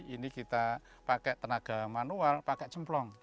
ini kita pakai tenaga manual pakai cemplong